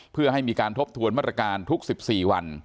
เพื่อให้มีการทบทวนมาตรการทุก๑๔วัน